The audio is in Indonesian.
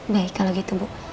baik kalau begitu ibu